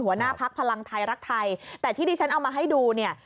หัวหน้าพักพลังไทยรักไทยแต่ที่ดิฉันเอามาให้ดูเนี่ย